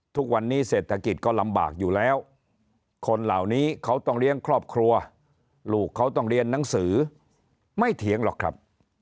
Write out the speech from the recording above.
ทุกวันนี้เศรษฐกิจก็ลำบากอยู่แล้วคนเหล่านี้เขาต้องเลี้ยงครอบครัวลูกเขาต้องเรียนหนังสือไม่เถียงหรอกครับ